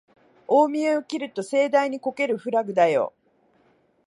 大見得を切ると盛大にこけるフラグだよ